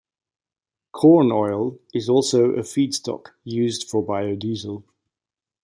Corn oil is also a feedstock used for biodiesel.